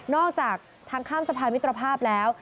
จากทางข้ามสะพานมิตรภาพแล้ว